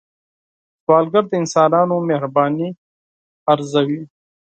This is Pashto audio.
سوالګر د انسانانو مهرباني ارزوي